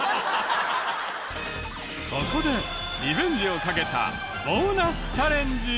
ここでリベンジを懸けたボーナスチャレンジ。